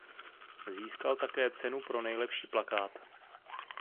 Získal také cenu pro nejlepší plakát.